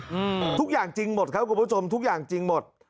อืมทุกอย่างจริงหมดครับคุณผู้ชมทุกอย่างจริงหมด